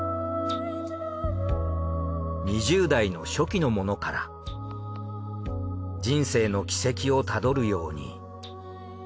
２０代の初期のものから人生の軌跡をたどるように。